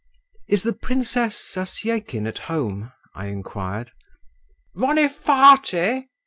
"Is the Princess Zasyekin at home?" I inquired. "Vonifaty!"